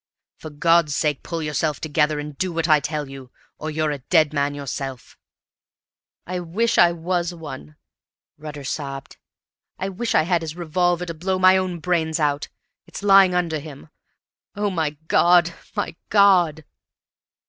For God's sake pull yourself together, and do what I tell you, or you're a dead man yourself." "I wish I was one!" Rutter sobbed. "I wish I had his revolver to blow my own brains out. It's lying under him. O my God, my God!"